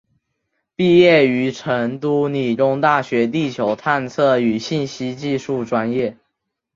毕业于成都理工大学地球探测与信息技术专业。